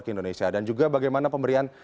ke indonesia dan juga bagaimana pemberian